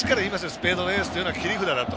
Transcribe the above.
スペードのエースというのは切り札だと。